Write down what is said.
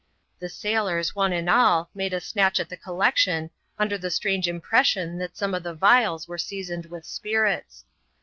The sailors, one and all, made a snatch at the collection, under the strange impression that some of the Tlals were seasoned with spirits.